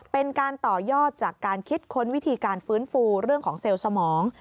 เป็นการต่อยอดจากการคิดค้นวิธีการฟื้นฟูเรื่องของเซลล์สมอง